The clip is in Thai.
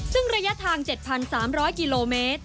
ซึ่งระยะทาง๗๓๐๐กิโลเมตร